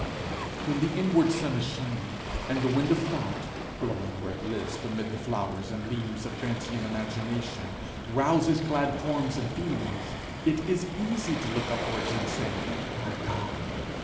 When the inward sun is shining, and the wind of thought, blowing where it lists amid the flowers and leaves of fancy and imagination, rouses glad forms and feelings, it is easy to look upwards, and say My God.